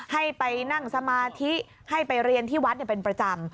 ให้ไปนั่งสมาธิให้ไปเรียนที่วัดเป็นประจำ